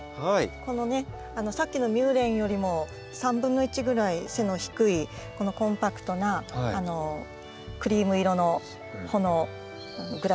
このねさっきのミューレンよりも３分の１ぐらい背の低いこのコンパクトなクリーム色の穂のグラスはですね。